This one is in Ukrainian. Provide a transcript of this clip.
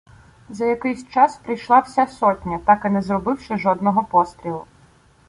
За якийсь час прийшла вся сотня, так і не зробивши жодного пострілу.